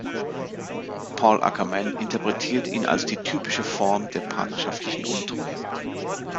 Paul Ackerman interpretiert ihn als die typische Form der partnerschaftlichen Untreue.